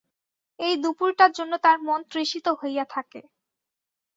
এই দুপুবটার জন্য তার মন তৃষিত হইয়া থাকে।